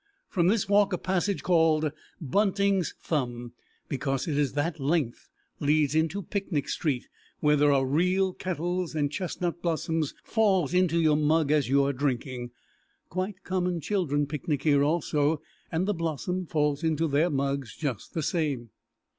From this walk a passage called Bunting's Thumb, because it is that length, leads into Picnic Street, where there are real kettles, and chestnut blossom falls into your mug as you are drinking. Quite common children picnic here also, and the blossom falls into their mugs just the same.